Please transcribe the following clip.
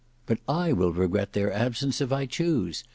But I will regret their absence, if I choose.